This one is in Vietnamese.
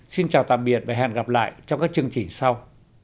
xin chào và hẹn gặp lại trong các chương trình sau